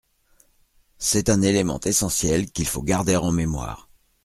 C’est un élément essentiel qu’il faut garder en mémoire.